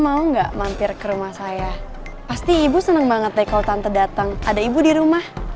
mau nggak mampir ke rumah saya pasti ibu seneng banget deh kalau tante datang ada ibu di rumah